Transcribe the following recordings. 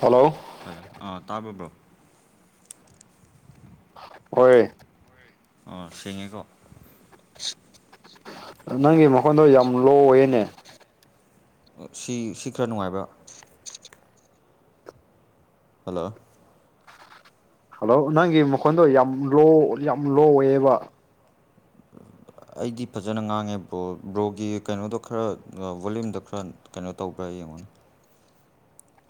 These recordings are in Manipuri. ꯍꯜꯂꯣ ꯍꯂꯣ ꯑꯥ ꯇꯥꯔꯕꯕ꯭ꯔꯣ ꯍꯣꯏ ꯑ ꯁꯦꯉꯤꯀꯣ ꯅꯪꯒꯤ ꯃꯈꯣꯟꯗꯣ ꯌꯥꯝ ꯂꯣꯋꯦꯅꯦ ꯁꯤ ꯁꯤ ꯈꯔ ꯅꯨꯡꯉꯥꯏꯕ ꯍꯜꯂꯣ ꯍꯜꯂꯣ ꯅꯪꯒꯤ ꯃꯈꯣꯟꯗꯣ ꯌꯥꯝ ꯂꯣ ꯌꯥꯝ ꯂꯣ ꯑꯣꯏꯌꯦꯕ ꯑꯩꯗꯤ ꯐꯖꯅ ꯉꯥꯡꯉꯦ ꯕ꯭ꯔꯣ ꯕ꯭ꯔꯣꯒꯤ ꯀꯩꯅꯣꯗꯣ ꯈꯔ ꯕꯣꯂꯌꯨꯝꯗꯣ ꯈꯔ ꯀꯩꯅꯣ ꯇꯧꯕ꯭ꯔꯥ ꯀꯨꯡ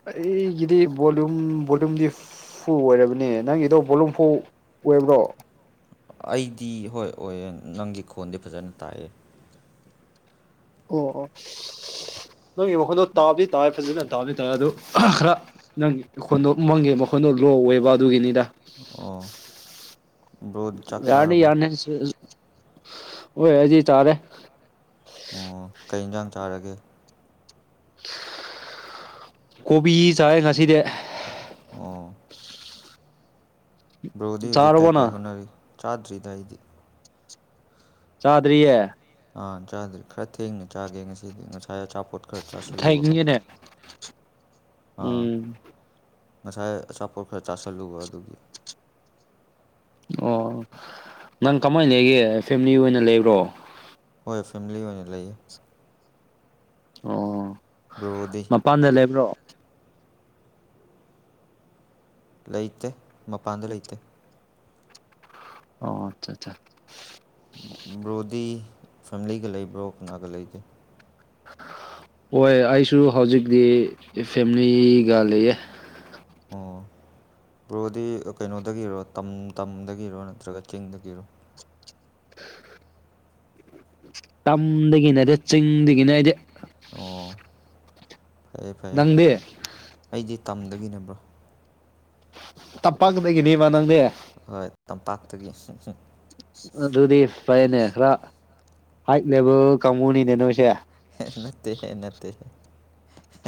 ꯑꯩꯒꯤꯗꯤ ꯕꯣꯂꯨꯝ ꯕꯣꯂꯨꯝꯗꯤ ꯐꯨ ꯑꯣꯏꯔꯕꯅꯦ ꯅꯪꯒꯤꯗꯣ ꯕꯣꯂꯨꯝ ꯐꯨ ꯑꯣꯏꯕ꯭ꯔꯣ ꯑꯩꯗꯤ ꯍꯣꯏ ꯑꯣꯏ ꯅꯪꯒꯤ ꯈꯣꯟꯗꯤ ꯐꯖꯅ ꯇꯥꯛꯑꯦ ꯑꯣ ꯑꯣ ꯅꯪꯒꯤ ꯃꯈꯣꯟꯗꯣ ꯇꯥꯕꯗꯤ ꯇꯥꯔꯦ ꯐꯖꯅ ꯇꯥꯗꯤ ꯇꯥꯔꯦ ꯑꯗꯨ ꯈꯔ ꯅꯪꯒꯤ ꯃꯈꯣꯟꯗꯣ ꯃꯪꯒꯤ ꯃꯈꯣꯟ ꯀꯣ ꯂꯣꯛ ꯑꯣꯏꯦꯕ ꯑꯗꯨꯒꯤꯅꯤꯗ ꯑꯣ ꯕ꯭ꯔꯣ ꯆꯥꯛ ꯌꯥꯅꯤ ꯆꯥꯔꯕꯣ ꯌꯥꯅꯤ ꯑꯣꯏꯦꯁꯤ ꯇꯔꯦ ꯑꯣ ꯀꯩ ꯌꯦꯟꯁꯥꯡ ꯆꯥꯔꯒꯦ ꯀꯣꯕꯤ ꯆꯥꯏ ꯉꯁꯤꯗꯤ ꯑꯣ ꯕ꯭ꯔꯣꯗꯤ ꯍꯧꯖꯤꯛ ꯀꯩ ꯆꯥꯔꯕꯣ ꯀꯩ ꯅꯪ ꯍꯣꯠꯅꯔꯤ ꯆꯥꯗ꯭ꯔꯤꯗ ꯑꯩꯗꯤ ꯆꯥꯗꯔꯤꯌꯦ ꯑꯥ ꯆꯥꯗ꯭ꯦ ꯈꯔ ꯊꯦꯡꯅ ꯆꯥꯒꯦ ꯉꯁꯤꯗꯤ ꯉꯁꯥꯏ ꯑꯆꯥꯄꯣꯠ ꯈꯔ ꯆꯥꯁꯤꯜꯂꯨꯕꯀꯣ ꯊꯥꯏꯒꯅꯤꯅꯦ ꯑꯥ ꯎꯝ ꯉꯁꯥꯏ ꯑꯆꯥꯄꯣꯠ ꯈꯔ ꯆꯥꯥꯁꯜꯂꯨꯕ ꯑꯗꯨꯒꯤ ꯑꯣ ꯅꯪ ꯀꯃꯥꯏꯅ ꯂꯩꯒꯦ ꯐꯦꯃꯤꯂꯤ ꯑꯣꯏꯅ ꯂꯩꯕ꯭ꯔꯣ ꯍꯣꯏ ꯐꯦꯃꯤꯂꯤ ꯑꯣꯏꯅ ꯂꯩꯌꯦ ꯑꯣ ꯕ꯭ꯔꯣꯗꯤ ꯃꯄꯥꯟꯗ ꯂꯩꯕ꯭ꯔꯣ ꯂꯩꯇꯦ ꯃꯄꯥꯟꯗ ꯂꯩꯇꯦ ꯑꯣ ꯑꯆꯥ ꯑꯆꯥ ꯕ꯭ꯔꯣꯗꯤ ꯐꯦꯃꯤꯂꯤꯒ ꯂꯩ ꯕ꯭ꯔꯣ ꯀꯅꯥꯒ ꯂꯩꯒꯦ ꯍꯣꯏ ꯑꯩꯁꯨ ꯍꯧꯖꯤꯛꯇꯤ ꯐꯦꯃꯤꯂꯤꯒ ꯂꯩꯌꯦ ꯑꯣ ꯭ꯔꯣꯗꯤ ꯀꯩꯅꯣꯗꯒꯤꯔꯣ ꯇ ꯇꯝꯗꯒꯤꯔꯣ ꯅꯠꯇ꯭ꯔꯒ ꯆꯤꯡꯗꯒꯤꯔꯣ ꯇꯝꯗꯒꯤꯅꯦꯔ ꯆꯤꯡꯗꯒꯤꯅꯦ ꯍꯥꯏꯗꯤ ꯑꯣ ꯐꯔꯦ ꯐꯔꯦ ꯅꯪꯗꯤ ꯑꯩꯗꯤ ꯇꯝꯗꯒꯤꯕ꯭ꯔꯣ ꯇꯄꯒꯗꯒꯤꯅꯦꯕ ꯅꯪꯗꯦ ꯍꯣꯏ ꯇꯝꯄꯥꯛꯠꯇ ꯀ ꯐꯔꯦꯅꯦ ꯈꯔ ꯍꯥꯏꯛ ꯂꯦꯕꯦꯜ ꯀꯥꯡꯕꯨꯅꯤꯅꯦ ꯅꯣꯏꯁꯦ ꯅꯠꯇꯦꯍꯦ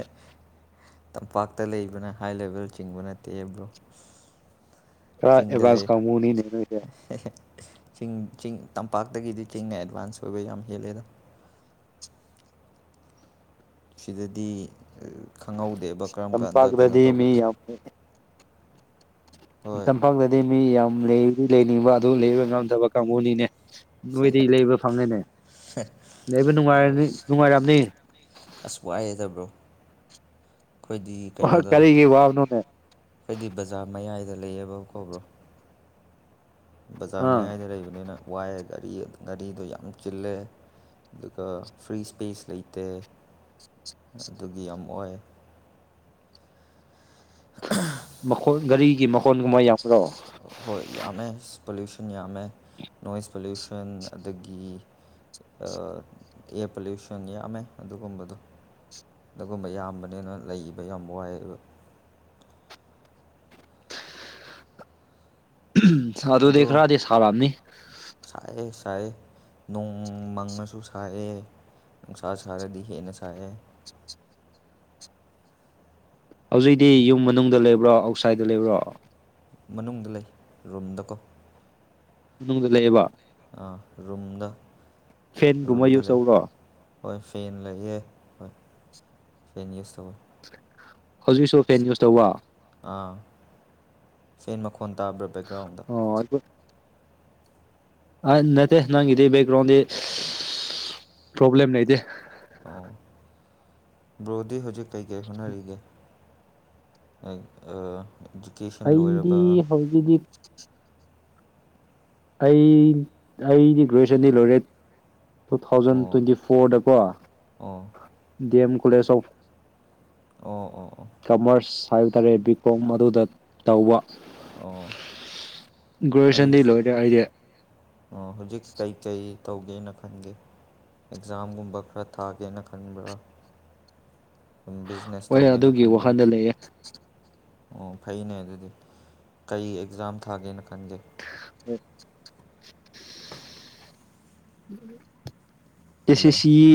[inaudible] ꯇꯝꯄꯥꯛꯇ ꯂꯩꯕꯅ ꯍꯥꯏ ꯂꯦꯚꯦꯜ ꯆꯤꯡꯕ ꯅꯠꯇꯦꯕ꯭ꯔꯣ ꯈꯔꯥ ꯑꯕꯖꯟ ꯀꯥꯃꯅꯤ ꯅꯩꯅ ꯌꯥ ꯆꯤꯡ ꯆꯤꯡ ꯇꯝꯄꯥꯛꯇꯒꯤꯗꯤ ꯆꯤꯡꯅ ꯑꯦꯗꯚꯥꯟꯁ ꯑꯣꯏꯕ ꯌꯥꯝ ꯍꯦꯜꯂꯦꯗ ꯁꯤꯗꯗꯤ ꯈꯪꯍꯧꯗꯦꯕ ꯀꯔꯝ ꯀꯥꯟꯗ ꯀꯩꯅꯣ ꯇꯝꯄꯥꯛꯇꯗꯤ ꯃꯤ ꯇꯧꯒꯗ꯭ꯔꯦ ꯌꯥꯝ ꯇꯝꯄꯥꯛꯇꯗꯤ ꯃꯤ ꯌꯥꯝ ꯂꯩꯔꯤ ꯂꯩꯅꯤꯡꯕ ꯑꯗꯨ ꯂꯩꯕ ꯉꯝꯗꯕ ꯀꯥꯡꯕꯨꯅꯤꯅꯦ ꯅꯣꯏꯗꯤ ꯂꯩꯕ ꯐꯝꯅꯅꯦ ꯂꯩꯕ ꯅꯨꯡꯉꯥꯏꯔꯅꯤ ꯅꯨꯡꯉꯥꯏꯔꯝꯅꯤ ꯑꯁ ꯋꯥꯏꯌꯦꯗ ꯕ꯭ꯔꯣ ꯋꯥ ꯀꯔꯤꯒꯤ ꯋꯥꯕꯅꯨꯅꯦ ꯑꯩꯗꯤ ꯕꯖꯥꯔ ꯃꯌꯥꯏꯗ ꯂꯩꯌꯦꯕ ꯀꯧꯕ꯭ꯔꯣ ꯕꯖꯥꯔ ꯑꯥ ꯃꯌꯥꯏꯗ ꯂꯩꯕꯅꯤꯅ ꯋꯥꯏꯑꯒ ꯒꯥꯔꯤ ꯉꯥꯔꯤꯗꯣ ꯌꯥꯝ ꯆꯤꯜꯂꯦ ꯑꯗꯨꯒ ꯐ꯭ꯔꯤ ꯏꯁꯄꯦꯁ ꯂꯩꯇꯦ ꯑꯗꯨꯒꯤ ꯌꯥꯝ ꯑꯣꯏ ꯃꯈꯣꯟ ꯒꯥꯔꯤꯒꯤ ꯃꯈꯣꯟꯒꯨꯝꯕ ꯌꯥꯎꯕ꯭ꯔꯣ ꯍꯣꯏ ꯌꯥꯝꯃꯦ ꯄꯣꯂꯨꯁꯟ ꯌꯥꯝꯃꯦ ꯅꯣꯏꯁ ꯄꯣꯂꯨꯁꯟ ꯑꯗꯒꯤ ꯑꯦꯌꯥꯔ ꯄꯣꯂꯨꯁꯟ ꯌꯥꯝꯃꯦ ꯑꯗꯨꯒꯨꯝꯕꯗꯣ ꯑꯗꯨꯒꯨꯝꯕ ꯑꯌꯥꯝꯕꯅꯦꯅ ꯂꯩꯕ ꯌꯥꯝ ꯋꯥꯏꯕ ꯎ ꯑꯗꯨꯗꯤ ꯑꯗꯣ ꯈꯔꯗꯤ ꯁꯥꯔꯑꯝꯅꯤ ꯁꯥꯏꯑꯦ ꯅꯣꯡ ꯃꯪꯉꯁꯨ ꯁꯥꯏꯑꯦ ꯁꯥꯥꯁ ꯁꯔꯦ ꯈꯤꯦ ꯏꯟꯅ ꯁꯔꯦ ꯍꯧꯖꯤꯛꯗꯤ ꯌꯨꯝ ꯃꯅꯨꯡꯗ ꯂꯩꯕ꯭ꯔꯣ ꯑꯥꯎꯠꯁꯥꯏꯗꯠꯇ ꯂꯩꯕ꯭ꯔꯣ ꯃꯅꯨꯡꯗ ꯂꯩ ꯔꯨꯝꯗꯀꯣ ꯃꯅꯨꯡꯗ ꯂꯩꯑꯕ ꯔꯨꯝꯨꯝꯗ ꯐꯦꯟꯒꯨꯝꯕ ꯔꯨꯝꯗ ꯌꯨꯁ ꯂꯩ ꯇꯧꯕ꯭ꯔꯣ ꯍꯣꯏ ꯐꯦꯟ ꯂꯩ ꯑꯦꯦ ꯍꯣꯏ ꯐꯦꯟ ꯌꯨꯁ ꯇꯧꯋ ꯍꯧꯖꯤꯛꯁꯨ ꯐꯦꯟ ꯅ꯭ꯌꯨꯁ ꯇꯧꯕ ꯑꯥ ꯁꯦꯟ ꯃꯈꯣꯟ ꯇꯥꯕ꯭ꯔꯥ ꯕꯦꯛꯒ꯭ꯔꯥꯎꯟꯗ ꯑ ꯅꯠꯇꯦ ꯅꯪ ꯏꯦ ꯕꯦꯛꯒ꯭ꯔꯥꯎꯟꯦ ꯄ꯭ꯔꯣꯕꯂꯦꯝꯝꯅꯦ ꯏꯗ ꯑꯣ ꯕ꯭ꯔꯣꯗꯤ ꯍꯧꯖꯤꯛ ꯀꯩꯀꯩ ꯍꯣꯠꯅꯔꯤꯒꯦ ꯑ ꯑ ꯑꯩꯗꯤ ꯍꯧꯖꯤꯛꯖꯤꯤ ꯑꯩ ꯑꯩꯗꯤ ꯒ꯭ꯔꯦꯖꯨꯌꯦꯁꯟꯗꯤ ꯂꯣꯏꯔꯦ ꯇꯨ ꯊꯥꯎꯖꯟ ꯑꯣ ꯇ꯭ꯋꯦꯟꯇꯤ ꯐꯣꯔꯗꯀꯣ ꯑꯣ ꯗꯤ ꯑꯦꯝ ꯀꯣꯂꯦꯖ ꯑꯣꯐ ꯑꯣ ꯑꯣ ꯑꯣ ꯀꯃꯔꯁ ꯍꯥꯏꯕ ꯇꯥꯔꯦ ꯕꯤꯛ ꯀꯣꯝ ꯑꯗꯨꯗ ꯇꯧꯕ ꯑꯣ ꯑꯩꯁ ꯌꯦ ꯑꯣ ꯍꯧꯖꯤꯛ ꯀꯩ ꯀꯩ ꯇꯧꯒꯦꯅ ꯈꯟꯒꯦ ꯑꯦꯛꯖꯥꯝꯒꯨꯝꯕ ꯈꯔ ꯊꯥꯒꯦꯅ ꯈꯟꯕ꯭ꯔꯥ [inaudible] ꯍꯣꯏ ꯇꯧꯒꯦꯅ ꯑꯗꯨꯒꯤ ꯈꯟꯕ꯭ꯔꯥ ꯋꯥꯈꯟꯗ ꯂꯩꯌꯦꯦ ꯑꯣ ꯐꯩꯅꯦ ꯑꯗꯨꯗꯤ ꯀꯩ ꯑꯦꯛꯖꯥꯝ ꯊꯥꯒꯦꯅ ꯈꯟꯒꯦ ꯎꯝ ꯀꯦ ꯁꯤ ꯍꯜꯂꯣ ꯁꯤ ꯏ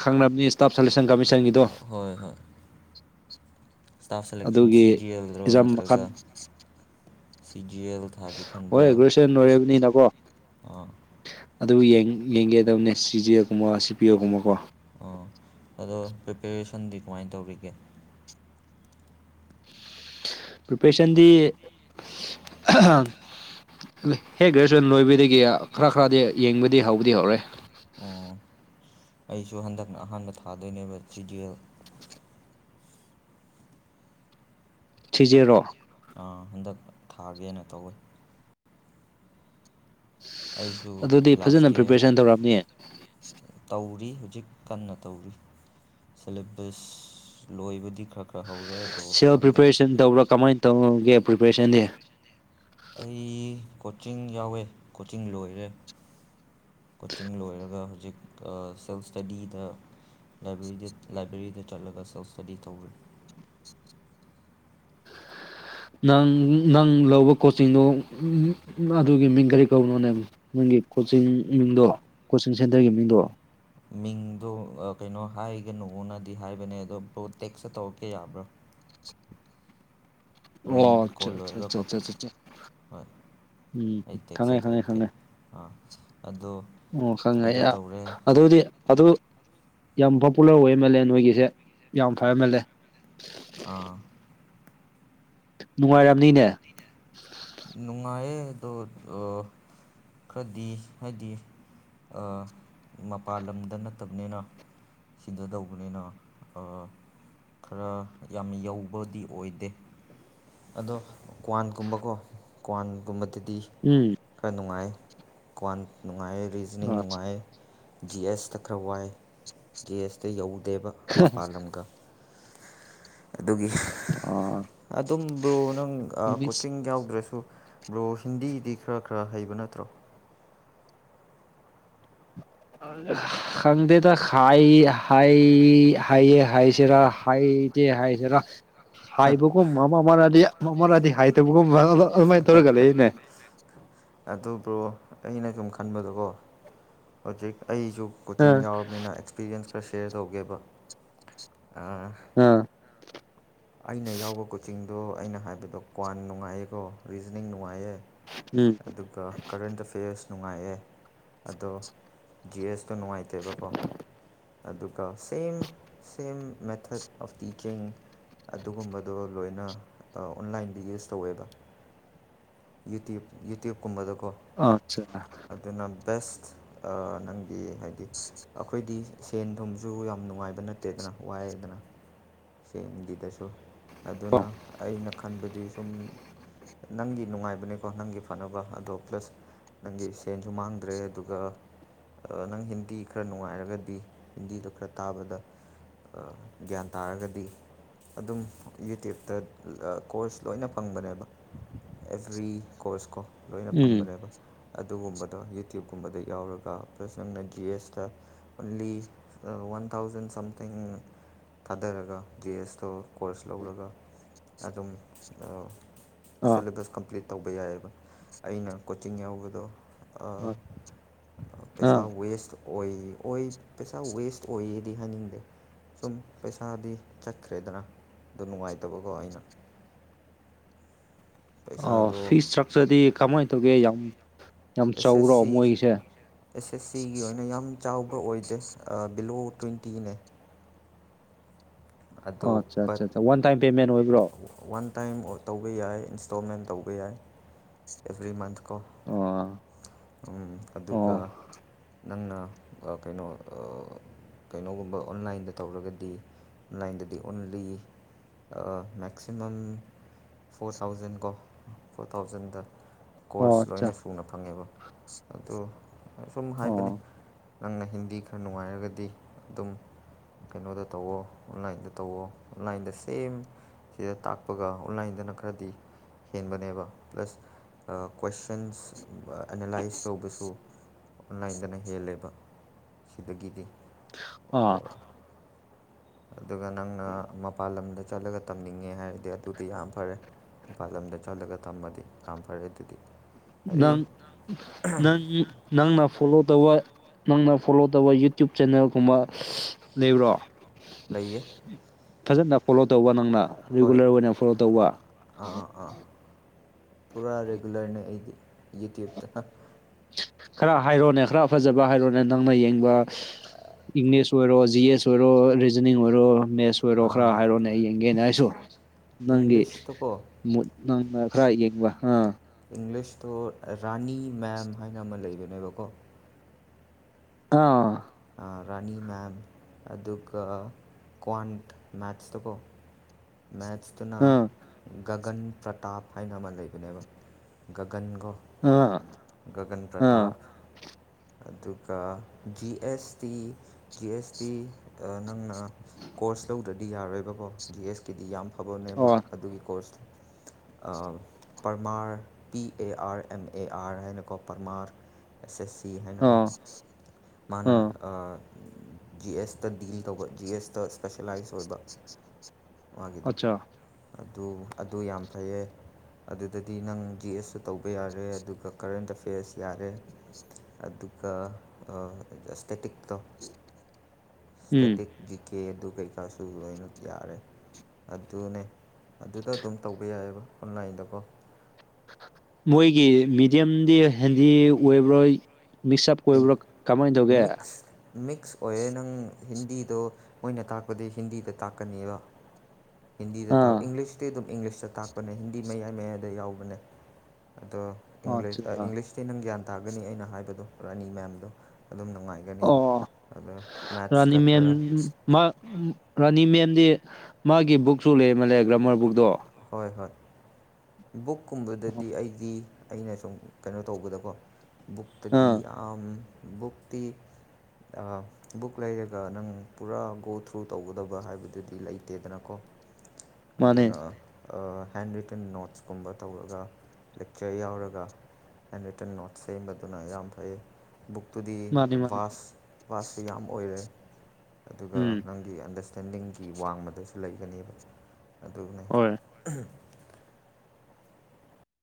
ꯈꯥꯡꯝꯅꯤ ꯏꯁꯇꯥꯞ ꯁꯦꯂꯦꯛꯁꯟ ꯀꯃꯤꯁꯟꯒꯤꯗꯣ ꯁ꯭ꯇꯥꯐ ꯁꯦꯂꯦꯛꯁꯟ ꯁꯤ ꯑꯗꯨꯒꯤ ꯖꯤ ꯑꯦꯜꯔꯣ ꯑꯦꯛꯖꯥꯝ ꯃꯈꯜ ꯅꯠꯇ꯭ꯔꯒ ꯁꯤ ꯖꯤ ꯑꯦꯜ ꯊꯥꯒꯦ ꯈꯟꯕ꯭ꯔꯥ ꯍꯣꯏꯒ꯭ꯔꯁ ꯅꯔꯕꯅꯤ ꯅꯀꯣ ꯑꯥ ꯑꯗꯨ ꯌꯦꯡꯒꯦꯗꯕꯅꯦ ꯁꯤꯖꯤꯜꯒꯨꯝꯕ ꯁꯤ ꯄꯤꯌꯒꯨꯝꯕꯀꯣ ꯑꯣ ꯑꯗꯣ ꯄ꯭ꯔꯤꯄꯦꯔꯦꯁꯟꯗꯤ ꯀꯃꯥꯏꯅ ꯇꯧꯔꯤꯒꯦ ꯄꯔꯤꯄꯦꯁꯟꯗꯤ ꯍꯦ ꯒ꯭ꯔꯦꯖꯨꯋꯦꯁꯟ ꯂꯣꯏꯕꯗꯒꯤ ꯈꯔ ꯈꯔꯗꯤ ꯌꯦꯡꯕꯗꯤ ꯍꯧꯕꯗꯤ ꯍꯧꯔꯦ ꯑꯣ ꯑꯩꯁꯨ ꯍꯟꯗꯛꯅ ꯑꯍꯥꯟꯕ ꯊꯥꯗꯣꯏꯅꯦꯕ ꯁꯤꯗꯦꯜ ꯁꯤꯖꯦꯔꯣ ꯍꯟꯗꯛ ꯊꯥꯒꯦꯅ ꯇꯧꯋꯤ ꯑꯗꯨꯗꯤ ꯂꯥꯁ ꯐꯖꯅ ꯏꯌꯔ ꯄ꯭ꯔꯤꯄꯦꯔꯦꯁꯟ ꯇꯧꯔꯑꯝꯅꯤ ꯇꯧꯔꯤ ꯍꯧꯖꯤꯛ ꯀꯟꯅ ꯇꯧꯔꯤ ꯁꯦꯂꯦꯕꯁ ꯂꯣꯏꯕꯨꯗꯤ ꯈꯔ ꯈꯔ ꯍꯧꯔꯦ ꯑꯗꯣ ꯁꯤꯦꯜ ꯈꯪꯗꯦ ꯄ꯭ꯔꯤꯄꯦꯔꯦꯁꯟ ꯇꯧꯕ꯭ꯔꯥ ꯀꯃꯥꯏꯅ ꯇꯧꯒꯦ ꯄ꯭ꯔꯤꯄꯦꯔꯦꯁꯟꯗꯤ ꯑꯩ ꯀꯣꯆꯤꯡ ꯌꯥꯎꯋꯦ ꯀꯣꯆꯤꯡ ꯂꯣꯏꯔꯦ ꯀꯣꯆꯤꯡ ꯂꯣꯏꯔꯒ ꯍꯧꯖꯤꯛ ꯁꯦꯜꯐ ꯏꯁꯇꯗꯤꯗ ꯗ ꯂꯥꯏꯕ꯭ꯔꯦꯔꯤꯗ ꯆꯠꯂꯒ ꯁ ꯏꯁꯇꯗꯤ ꯇꯧ꯭ꯔꯦ ꯅꯪ ꯅꯪ ꯂꯧꯕ ꯀꯣꯆꯤꯡꯗꯣꯑꯗꯨꯒꯤ ꯃꯤꯡ ꯀꯔꯤ ꯀꯧꯕꯅꯣꯅꯦꯕ ꯀꯣꯆꯤꯡ ꯃꯤꯡꯗꯣ ꯀꯣꯆꯤꯡ ꯁꯦꯟꯇꯔꯒꯤ ꯃꯤꯃꯤꯡꯗꯣ ꯃꯤꯡꯗꯣ ꯀꯩꯅꯣ ꯍꯥꯏꯒꯅꯨꯅꯗꯤ ꯍꯥꯏꯕꯅꯦ ꯑꯗꯣ ꯄꯣꯇꯦꯛꯁꯇ ꯇꯧꯔꯛꯀꯦ ꯌꯥꯕ꯭ꯔꯥ [unintelligible] ꯍꯣꯔꯦꯟ ꯑꯣ ꯑꯆꯥ ꯀꯣꯜ ꯑꯆꯥ ꯂꯣꯏꯔꯒꯀꯣ ꯑꯆꯥ ꯍꯣꯏ ꯎꯝ ꯑꯩ ꯊꯪꯉꯦ ꯇꯦꯛꯁꯇ ꯈꯪꯉꯦ ꯇꯧꯔꯛꯀꯦ ꯈꯪꯉꯦ ꯑꯥ ꯑꯣ ꯑꯣ ꯑꯗꯨ ꯈꯪꯉꯦ ꯇꯧꯔꯦ ꯑꯗꯨꯗꯤ ꯑꯗꯨ ꯌꯥꯝ ꯄꯣꯄꯨꯂꯔ ꯑꯣꯏꯃꯂꯦꯑꯦ ꯅꯣꯏꯒꯤꯁꯦ ꯌꯥꯝ ꯐꯕ ꯑꯦꯝ ꯑꯦꯜ ꯑꯦ ꯑꯥ ꯅꯨꯡꯉꯥꯏꯔꯝꯅꯤꯅꯦ ꯅꯨꯡꯉꯥꯏꯌꯦ ꯈꯔꯗꯤ ꯍꯥꯏꯗꯤ ꯃꯄꯥꯥꯟ ꯂꯝꯗ ꯅꯠꯇꯕꯅꯤꯅ ꯁꯤꯗ ꯇꯧꯕꯅꯤꯅ ꯈꯔ ꯌꯥꯝꯅ ꯌꯧꯕꯗꯤ ꯑꯣꯏꯗꯦ ꯑꯗꯣ ꯀ꯭ꯋꯥꯟꯒꯨꯝꯕꯀꯣ ꯀ꯭ꯋꯥꯟꯒꯨꯝꯕꯗꯗꯤ ꯎꯝ ꯈꯔ ꯅꯨꯡꯉꯥꯏ ꯀ꯭ꯋꯥꯟ ꯅꯨꯡꯉꯥꯏ ꯔꯤꯖꯅꯤꯡ ꯅꯅꯨꯡꯉꯥꯏ ꯖꯤ ꯑꯦꯁ ꯇꯈ꯭ꯔꯕꯥꯏ ꯖꯤ ꯑꯦꯁꯇ ꯌꯧꯗꯦꯕ ꯃꯄꯥꯜ ꯂꯝꯒ ꯑꯗꯨꯒꯤ ꯑꯥ ꯑꯗꯨꯝꯕ꯭ꯔꯣ ꯅꯪ ꯃꯤꯁ ꯀꯣꯆꯤꯡ ꯌꯥꯎ ꯑꯗꯨꯁꯨ ꯕ꯭ꯔꯣ ꯍꯤꯟꯗꯤꯗꯤ ꯈꯔ ꯈꯔ ꯍꯩꯕ ꯅꯠꯇ꯭ꯔꯣ [unintelligible] ꯈꯪꯗꯦꯗ ꯍꯥꯏ ꯍ ꯍꯥꯏ ꯍꯥꯏꯁꯤꯔ ꯍ ꯍꯥꯏꯁꯤꯔꯥ ꯍꯥꯏꯕꯒꯨꯝꯕ ꯑꯃ ꯑꯃꯗꯤ ꯑꯃ ꯑꯃꯥꯗꯤ ꯍꯥꯏꯗꯕꯒꯨꯝꯕ ꯑꯗꯨ ꯕꯔꯣ ꯑꯩꯅ ꯁꯨꯝ ꯈꯟꯕꯗꯀꯣ ꯍꯧꯖꯤꯛ ꯑꯩꯁꯨ ꯑ ꯀꯣꯆꯤꯡ ꯌꯥꯎꯔꯕꯅꯤꯅ ꯑꯦꯛꯁꯄꯤꯔꯤꯌꯦꯟꯁ ꯈꯔ ꯁꯦꯌꯔ ꯇꯧꯒꯦꯕ ꯑ ꯑꯩꯅ ꯌꯥꯎꯕ ꯀꯣꯆꯤꯡꯗꯣ ꯑꯩꯅ ꯍꯥꯏꯕꯗꯣ ꯀ꯭ꯋꯥꯟ ꯅꯨꯡꯉꯥꯏꯌꯦꯀꯣ ꯔꯤꯖꯅꯤꯡ ꯅꯨꯡꯉꯥꯏꯌꯦ ꯎꯝ ꯑꯗꯨꯒ ꯀꯔꯦꯟ ꯗ ꯐꯦꯁ ꯅꯨꯡꯉꯥꯏꯑꯦ ꯑꯗꯣ ꯖꯤ ꯑꯦꯁꯇꯣ ꯅꯨꯡꯉꯥꯏꯇꯦꯕꯀꯣ ꯑꯗꯨꯒ ꯁꯦꯝ ꯁꯦꯝ ꯃꯦꯊꯠ ꯑꯣꯐ ꯇꯤꯆꯤꯡ ꯑꯗꯨꯒꯨꯝꯕꯗꯣ ꯂꯣꯏꯅ ꯑꯣꯟꯂꯥꯏꯟꯗꯤ ꯌꯨꯁ ꯇꯧꯋꯦꯕ ꯌꯨꯇꯌꯨꯕ ꯌꯨꯇꯌꯕ ꯀꯨꯝꯕꯗ ꯀꯣ ꯑꯠꯆꯥ ꯑꯗꯨꯅ ꯕꯦꯁ ꯅꯪꯗꯤ ꯍꯥꯏꯗꯤ ꯑꯩꯈꯣꯏꯗꯤ ꯁꯦꯟ ꯊꯨꯝꯁꯨ ꯌꯥꯝ ꯅꯨꯡꯉꯥꯏꯕ ꯅꯠꯇꯦꯗꯅ ꯋꯥꯏꯑꯦꯗꯅ ꯁꯦꯟꯒꯤꯗꯁꯨ ꯑꯗꯨꯅ ꯑꯣ ꯑꯩꯅ ꯈꯟꯕꯗꯤ ꯁꯨꯝ ꯅꯪꯒꯤ ꯅꯨꯡꯉꯥꯏꯕꯅꯤꯀꯣ ꯅꯪꯒꯤ ꯐꯅꯕ ꯑꯗꯣ ꯄ꯭ꯂꯁ ꯅꯪꯒꯤ ꯁꯦꯟꯁꯨ ꯃꯥꯡꯗ꯭ꯔꯦ ꯑꯗꯨꯒ ꯅꯪ ꯍꯤꯟꯗꯤ ꯈꯔ ꯅꯨꯡꯉꯥꯏꯔꯒꯗꯤ ꯍꯤꯟꯗꯤꯗꯣ ꯈꯔ ꯇꯥꯕꯗ ꯒ꯭ꯌꯥꯟ ꯇꯥꯔꯒꯗꯤ ꯑꯗꯨꯝ ꯌꯨꯇ꯭ꯌꯨꯕꯇ ꯀꯣꯔꯁ ꯂꯣꯏꯅ ꯐꯪꯕꯅꯦꯕ ꯑꯦꯕ꯭ꯔꯤ ꯀꯣꯔꯁ ꯀꯣ ꯂꯣꯏꯅ ꯎꯝ ꯐꯪꯕꯅꯦꯕ ꯑꯗꯨꯒꯨꯝꯕꯗꯣ ꯌꯨꯇ꯭ꯌꯨꯕꯀꯨꯝꯕꯗ ꯌꯥꯎꯔꯒ ꯄ꯭ꯂꯁ ꯅꯪꯅ ꯖꯤ ꯑꯦꯁꯇ ꯑꯣꯟꯂꯤ ꯋꯥꯟ ꯊꯥꯎꯖꯟ ꯁꯝꯊꯤꯡ ꯊꯥꯗꯔꯒ ꯖꯤ ꯑꯦꯁ ꯇꯤ ꯇꯣ ꯀꯣꯔꯁ ꯂꯧꯔꯒ ꯑꯗꯨꯝ ꯑ ꯁꯂꯦꯕꯁ ꯀꯝꯄ꯭ꯂꯤꯠ ꯇꯧꯕ ꯌꯥꯏꯑꯕ ꯑꯩꯅ ꯀꯣꯆꯤꯡ ꯌꯥꯎꯕꯗꯣ ꯑ ꯄꯩꯁꯥ ꯋꯦꯁ ꯑꯣꯏ ꯑꯣꯏ ꯄꯩꯁꯥ ꯋꯦꯁ ꯑꯣꯏꯌꯦꯗꯤ ꯍꯥꯏꯅꯤꯡꯗꯦ ꯁꯨꯝ ꯄꯩꯁꯥꯗꯤ ꯆ ꯆꯠꯈ꯭ꯔꯦꯗꯅ ꯑꯗꯨ ꯅꯨꯡꯉꯥꯏꯇꯕꯀꯣ ꯑꯩꯅ ꯑꯣ ꯐꯤ ꯄꯩꯁꯥꯗꯣ ꯏꯁꯇ꯭ꯔꯛꯆꯔꯗꯤ ꯀꯃꯥꯏꯅ ꯇꯧꯒꯦ ꯌꯥꯝ ꯌꯥꯝ ꯑꯦꯁ ꯑꯦꯁ ꯆꯥꯎꯔꯣ ꯁꯤ ꯃꯣꯏꯒꯤꯁꯦ ꯑꯦꯁ ꯑꯦꯁ ꯁꯤꯒꯤ ꯑꯣꯏꯅ ꯌꯥꯝ ꯆꯥꯎꯕ ꯑꯣꯏꯗꯦ ꯕꯤꯂꯣ ꯇ꯭ꯋꯦꯟꯇꯤꯅꯦ ꯑꯣ ꯑꯗꯣ ꯑꯠꯆꯥ ꯕꯠ ꯑꯠꯆꯥ ꯋꯥꯟ ꯇꯥꯏꯝ ꯄꯦꯃꯦꯟ ꯑꯣꯏꯕ꯭ꯔꯣ ꯋꯥꯟ ꯇꯥꯏꯝ ꯇꯧꯕ ꯌꯥꯏ ꯏꯟꯁꯇꯣꯜꯃꯦꯟ ꯇꯧꯕ ꯌꯥꯏ ꯑꯦꯕ꯭ꯔꯤ ꯃꯟꯊ ꯀꯣ ꯑꯣ ꯎ ꯑꯗꯨꯒ ꯑꯣ ꯅꯪꯅ ꯀꯩꯅꯣ ꯀꯩꯅꯣꯒꯨꯝꯕ ꯑꯣꯟꯂꯥꯏꯟꯗ ꯇꯧꯔꯒꯗꯤ ꯑꯣꯟꯂꯥꯏꯟꯗꯗꯤ ꯑꯣꯟꯂꯤ ꯃꯦꯛꯁꯤꯃꯝ ꯐꯣꯔ ꯊꯥꯎꯖꯟ ꯀꯣ ꯐꯣꯔ ꯊꯥꯎꯖꯟꯗ ꯑꯣ ꯀꯣꯔꯁ ꯑꯠꯆꯥ ꯂꯣꯏꯅ ꯁꯨꯅ ꯐꯪꯉꯦꯕ ꯑꯗꯨ ꯁꯨꯝ ꯍꯥꯏꯕꯅꯤ ꯑꯣ ꯅꯪꯅ ꯍꯤꯟꯗꯤ ꯈꯔ ꯅꯨꯡꯉꯥꯏꯔꯒꯗꯤ ꯑꯗꯨꯝ ꯀꯩꯅꯣꯗ ꯇꯧꯋꯣ ꯑꯣꯟꯂꯥꯏꯟꯗ ꯇꯧꯋꯣ ꯑꯣꯟꯂꯥꯏꯟꯗ ꯁꯦꯝ ꯁꯤꯗ ꯇꯥꯛꯄꯒ ꯑꯣꯟꯂꯥꯏꯟꯗꯅ ꯈꯔꯗꯤ ꯍꯦꯟꯕꯅꯦꯕ ꯄ꯭ꯂꯁ ꯀꯣꯏꯁꯟꯁ ꯑꯦꯅꯥꯂꯥꯏꯁ ꯇꯧꯕꯁꯨ ꯑꯣꯟꯂꯥꯏꯟꯗꯅ ꯍꯦꯜꯂꯦꯕ ꯁꯤꯗꯒꯤꯗꯤ ꯑ ꯑꯗꯨꯒ ꯅꯪꯅ ꯃꯄꯥꯟ ꯂꯝꯗ ꯆꯠꯂꯒ ꯇꯝꯅꯤꯡꯉꯦ ꯍꯥꯏꯔꯗꯤ ꯑꯗꯨꯗꯤ ꯌꯥꯝ ꯐꯔꯦ ꯃꯄꯥꯥꯟꯂꯝꯗ ꯆꯠꯂꯒ ꯊꯝꯃꯗꯤ ꯌꯥꯝ ꯐꯔꯦ ꯑꯗꯨꯗꯤ ꯍꯥꯏꯗꯤ ꯅꯪ ꯅꯪ ꯅꯪꯅ ꯐꯣꯂꯣ ꯇꯧꯕ ꯅꯪꯅ ꯐꯣꯂꯣ ꯇꯧꯕ ꯌꯨꯇ꯭ꯌꯕ ꯆꯦꯅꯦꯜꯒꯨꯝꯕ ꯂꯩꯕ꯭ꯔꯣ ꯂꯩꯌꯦ ꯐꯖꯅ ꯐꯣꯂꯣ ꯇꯧꯕ ꯅꯪꯅ ꯍꯣꯏ ꯔꯤꯒꯨꯂꯔ ꯑꯣꯏꯅ ꯐꯣꯂꯣ ꯇꯧꯕ ꯑꯥ ꯑꯥ ꯄꯨꯥ ꯔꯦꯒꯨꯂꯔꯅꯦ ꯑꯩꯗꯤ ꯌꯦꯛꯇ ꯈꯔ ꯍꯥꯏꯔꯣꯅꯦ ꯈꯔ ꯐꯖꯕ ꯍꯥꯏꯔꯣꯅꯦ ꯅꯪꯅ ꯌꯦꯡꯕ ꯏꯪꯂꯤꯁ ꯑꯣꯏꯔꯣ ꯖꯤ ꯑꯦꯁ ꯑꯣꯏꯔꯣ ꯔꯤꯖꯅꯤꯡ ꯑꯣꯏꯔꯣ ꯃꯦꯁ ꯑꯣꯏꯔꯣ ꯑꯥ ꯈꯔ ꯍꯥꯏꯔꯣꯅꯦ ꯌꯦꯡꯒꯦꯅ ꯑꯩꯁꯨ ꯅꯪꯒꯤ ꯏꯪꯂꯤꯁꯇꯀꯣ ꯃꯨꯠ ꯅꯪꯅ ꯈꯔꯥꯒꯕ ꯍꯥꯥ ꯏꯪꯂꯤꯁꯇꯣ ꯔꯥꯅꯤ ꯃꯦꯝ ꯍꯥꯏꯅ ꯑꯃ ꯂꯩꯕꯅꯦꯕꯀꯣ ꯑꯥ ꯔꯥꯅꯤ ꯃꯦꯝ ꯑꯗꯨꯒ ꯀ꯭ꯋꯥꯟ ꯃꯦꯠꯁꯇ ꯀꯣ ꯃꯦꯠꯁꯇꯨꯅ ꯑꯥ ꯒꯒꯟ ꯄ꯭ꯔꯇꯥꯞ ꯍꯥꯏꯅ ꯑꯃ ꯂꯩꯕꯅꯦꯕ ꯒꯒꯟꯒꯧ ꯑꯥ ꯒꯟ ꯑꯥ ꯄ꯭ꯔꯇꯥꯞ ꯑꯗꯨꯒ G S T G S T ꯅꯪꯅ ꯀꯣꯔꯁ ꯀꯣꯔꯁ ꯂꯧꯗ꯭ꯔꯗꯤ ꯌꯥꯔꯣꯏꯕꯀꯣ ꯖꯤ ꯑꯦꯁ ꯀꯤꯗꯤ ꯌꯥꯝ ꯐꯕꯅꯦꯕ ꯑꯣ ꯑꯗꯨꯒꯤ ꯀꯣꯔꯁꯇꯣ ꯄꯃꯥꯔ P A R M A R ꯍꯥꯏꯅꯀꯣ ꯄꯔꯃꯥꯔ ꯑꯦꯁ ꯑꯦꯁ ꯁꯤ ꯍꯥꯏꯅꯀꯣ ꯑꯥ ꯃꯥꯅ ꯑꯥ ꯖꯤ ꯑꯦꯁꯇ ꯗꯤꯜ ꯇꯧꯕ ꯖꯤ ꯑꯦꯁꯇ ꯏꯁꯄꯦꯁꯦꯂꯥꯏꯁ ꯑꯣꯏꯕ ꯃꯥꯒꯤꯗ ꯑꯠꯆꯥ ꯑꯗꯨ ꯑꯗꯨ ꯌꯥꯝ ꯐꯩꯌꯦ ꯑꯗꯨꯗꯗꯤ ꯅꯪ ꯖꯤ ꯑꯦꯁꯁꯨ ꯇꯧꯕ ꯌꯥꯔꯦ ꯑꯗꯨ ꯑꯗꯨꯒ ꯀꯔꯦꯟ ꯑꯦꯐꯦꯌꯔꯁ ꯌꯥꯔꯦ ꯑꯗꯨꯒ ꯁꯇꯦꯇꯤ ꯇꯣ ꯎꯝ ꯁ꯭ꯇꯦꯇꯤꯛ ꯀꯦ ꯑꯗꯨ ꯀꯩꯀꯥꯁꯨ ꯂꯣꯏꯅ ꯌꯥꯔꯦ ꯑꯗꯨꯅꯦ ꯑꯗꯨꯗ ꯑꯗꯨꯝ ꯇꯧꯕ ꯌꯥꯏꯑꯕ ꯑꯣꯟꯂꯥꯏꯟꯗꯀꯣ ꯃꯣꯏꯒꯤ ꯃꯤꯦꯗꯤꯌꯝꯗꯤ ꯍꯦꯟꯗꯤ ꯑꯣꯏꯕꯔꯣꯏ ꯃꯤꯁꯑꯞ ꯍꯤꯟ ꯑꯣꯏ꯭ꯔ ꯀꯃꯥꯏꯅ ꯇꯧꯒꯦ ꯃꯤꯛꯁ ꯃꯤꯛꯁ ꯑꯣꯏꯌꯦꯦ ꯅꯪ ꯍꯤꯟꯗꯤꯗꯣ ꯃꯣꯏꯅ ꯇꯥꯛꯄꯗꯤ ꯍꯤꯟꯗꯤꯗ ꯇꯥꯛꯀꯅꯦꯕ ꯍꯤꯟꯗꯤꯗ ꯇꯥꯛ ꯑꯥ ꯏꯪꯂꯤꯁꯇꯤ ꯑꯗꯨꯝ ꯏꯪꯂꯤꯁꯇ ꯇꯥꯛꯄꯅꯦ ꯍꯤꯟꯗꯤ ꯃꯌꯥꯏ ꯃꯌꯥꯏꯗ ꯌꯥꯎꯕꯅꯦ ꯑꯗꯣ ꯑꯆꯥ ꯏꯪꯂꯤꯁꯇꯤ ꯅꯪ ꯒ꯭ꯌꯥꯟ ꯇꯥꯒꯅꯤ ꯑꯩꯅ ꯍꯥꯏꯕꯗꯣ ꯔꯥꯅꯤ ꯃꯌꯥꯝꯗꯣ ꯑꯣ ꯔꯥꯅꯤ ꯃꯦꯠꯁꯇ ꯃꯦꯝ ꯈꯔ ꯃꯥ ꯔꯥꯅꯤ ꯃꯦꯝꯗꯤ ꯃꯥꯒꯤ ꯕꯨꯛꯁꯨ ꯂꯩꯔꯃꯜꯂꯦ ꯒ꯭ꯔꯥꯃꯔ ꯕꯨꯛꯇꯣ ꯍꯣꯏ ꯍꯣꯏ ꯑꯣ ꯕꯨꯛꯀꯨꯝꯕꯗꯗꯤ ꯑꯩꯒꯤ ꯑꯩꯅ ꯁꯨꯝ ꯀꯩꯅꯣ ꯇꯧꯕꯗꯀꯣ ꯕꯨꯛꯇꯗꯤ ꯑꯥ ꯌꯥꯝ ꯕꯨꯛꯇꯤ ꯕꯨꯛ ꯂꯩꯔꯒ ꯅꯪ ꯄꯨꯔꯥ ꯒꯣ ꯊ꯭ꯔꯨ ꯇꯧꯒꯗꯕ ꯍꯥꯏꯕꯗꯨꯗꯤ ꯂꯩꯇꯦꯗꯅꯀꯣ ꯃꯥꯅꯦ ꯑꯗꯨꯅ ꯍꯦꯟ ꯔꯤꯇꯟ ꯅꯣꯠꯁꯀꯨꯝꯕ ꯇꯧꯔꯒ ꯂꯦꯛꯆꯔ ꯌꯥꯎꯔꯒ ꯑꯦꯟ ꯔꯤꯇꯟ ꯅꯣꯠ ꯁꯦꯝꯕꯗꯨꯅ ꯌꯥꯝ ꯐꯩ ꯕꯨꯛꯇꯨꯗꯤ ꯃꯥꯅꯤ ꯃꯥꯅꯤ ꯕꯥꯁ ꯕꯥꯁꯁꯨ ꯌꯥꯝ ꯑꯣꯏꯔꯦ ꯑꯗꯨꯒ ꯎꯝ ꯅꯪꯒꯤ ꯑꯟꯗꯔꯁ ꯁꯦꯟꯗꯤꯡꯒꯤ ꯋꯥꯡꯃꯗꯁꯨ ꯂꯩꯒꯅꯦꯕ ꯑꯗꯨꯅ ꯍꯣꯏ